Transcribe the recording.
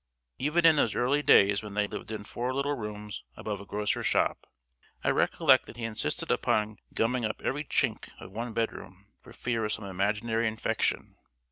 Even in those early days when they lived in four little rooms above a grocer's shop, I recollect that he insisted upon gumming up every chink of one bedroom for fear of some imaginary infection.